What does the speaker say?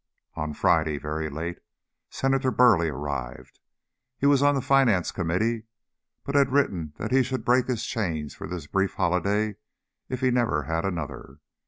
On Friday, very late, Senator Burleigh arrived. He was on the Finance Committee, but had written that he should break his chains for this brief holiday if he never had another.